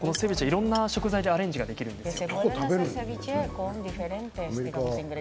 いろんな食材でアレンジができるんですよ。